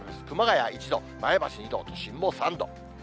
熊谷１度、前橋２度、都心も３度。